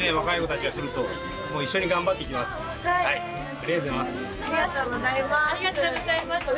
ありがとうございます。